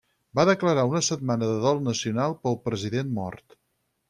Va declarar una setmana de dol nacional pel president mort.